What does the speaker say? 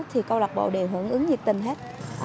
thì câu lạc bộ đều hưởng ứng nhiệt tình hết